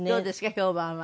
評判は。